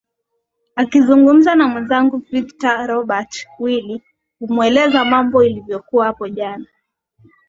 akizungumza na mwenzangu victor robert willi kumweleza mambo ilivyokuwa hapo jana